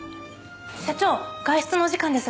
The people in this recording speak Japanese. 社長外出のお時間ですが。